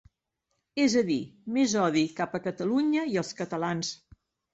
És a dir, més odi cap a Catalunya i els catalans.